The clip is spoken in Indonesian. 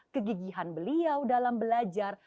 kegigihan beliau dalam belajar